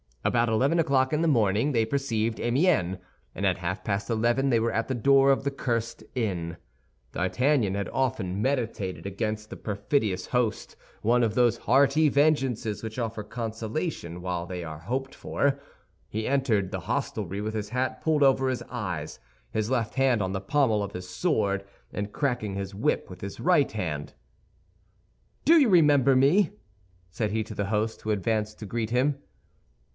About eleven o'clock in the morning they perceived Amiens, and at half past eleven they were at the door of the cursed inn. D'Artagnan had often meditated against the perfidious host one of those hearty vengeances which offer consolation while they are hoped for. He entered the hostelry with his hat pulled over his eyes, his left hand on the pommel of the sword, and cracking his whip with his right hand. "Do you remember me?" said he to the host, who advanced to greet him.